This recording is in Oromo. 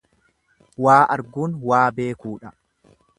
Waa arguun waa beekuudha.